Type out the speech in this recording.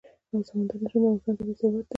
سمندر نه شتون د افغانستان طبعي ثروت دی.